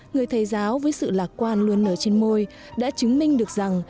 người thầy giáo với sự lạc quan luôn nở trên môi đã chứng minh được rằng